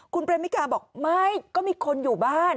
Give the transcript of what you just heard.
คุณเปรมมิกาบอกไม่ก็มีคนอยู่บ้าน